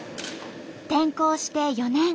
転校して４年。